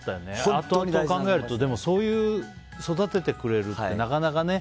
あとあと考えるとそうやって育ててくれるってなかなかね。